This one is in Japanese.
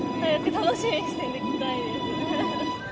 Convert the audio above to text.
楽しみにしてるので着たいです。